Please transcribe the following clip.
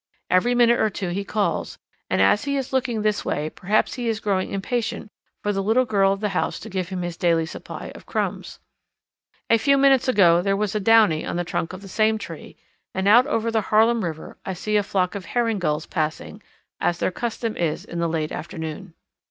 Every minute or two he calls, and as he is looking this way perhaps he is growing impatient for the little girl of the house to give him his daily supply of crumbs. A few minutes ago there was a Downy on the trunk of the same tree, and out over the Harlem River I see a flock of Herring Gulls passing, as their custom is in the late afternoon.